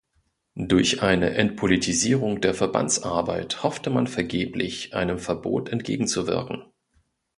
Durch eine Entpolitisierung der Verbandsarbeit hoffte man vergeblich, einem Verbot entgegenzuwirken.